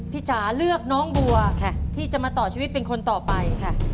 พี่จ๋าเลือกน้องบัวที่จะมาต่อชีวิตเป็นคนต่อไป